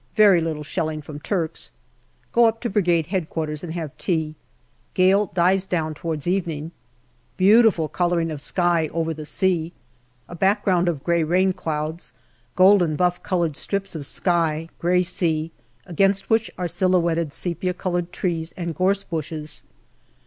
Very little shelling from Turks. Go up to Brigade H.Q. and have tea. Gale dies down towards evening. Beautiful colouring of sky over the sea. A background of grey rain clouds, golden buff coloured strips of sky, grey sea, against which are silhouetted sepia coloured trees and gorse bushes.